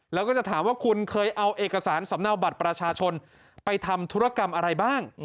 แล้วก็จะถามว่าคุณเคยเอาเอกสารสำเนาบัตรประชาชนไปทำธุรกรรมอะไรบ้าง